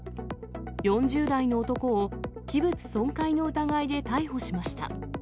４０代の男を器物損壊の疑いで逮捕しました。